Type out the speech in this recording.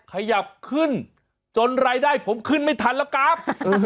ขยับขึ้นจนรายได้ผมขึ้นไม่ทันแล้วครับ